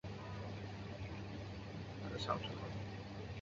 有位有着艾莉丝样貌的家庭主妇在早上醒来。